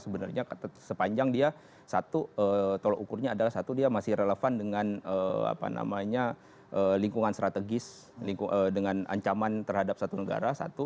sebenarnya sepanjang dia satu tolok ukurnya adalah satu dia masih relevan dengan lingkungan strategis dengan ancaman terhadap satu negara satu